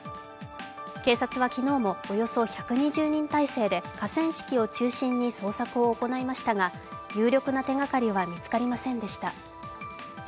警察は昨日もおよそ１２０人態勢で河川敷を中心に捜索を行いましたが有力な手がかりは見つかりませんでした。